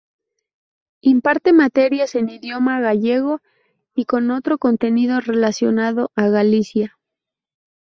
Imparte materias en idioma gallego y con contenido relacionado a Galicia.